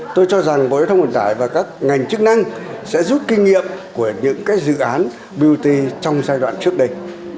tôi cho rằng bộ y tế và các ngành chức năng sẽ rút kinh nghiệm của những dự án beauty trong giai đoạn trước đây